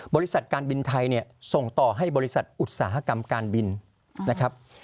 บริษัทการบินไทยเนี่ยส่งต่อให้บริษัทอุตสาหกรรมการบินนะครับ